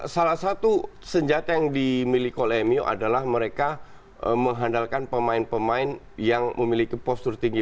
salah satu senjata yang dimiliki kolemio adalah mereka mengandalkan pemain pemain yang memiliki postur tinggi